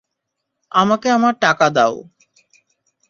আমাকে আমার টাকা দাও।